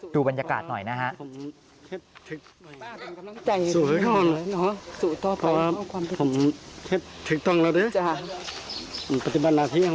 ดูบรรยากาศหน่อยนะฮะ